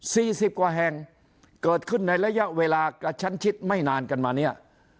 สิบกว่าแห่งเกิดขึ้นในระยะเวลากระชั้นชิดไม่นานกันมาเนี้ย